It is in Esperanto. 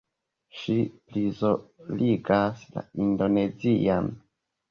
Ŝi prizorgas la Indonezian